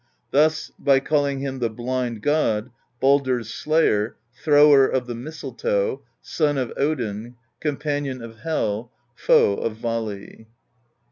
Thus: by call ing him the Blind God, Baldr's Slayer, Thrower of the Mistletoe, Son of Odin, Companion of Hel, Foe of Vali.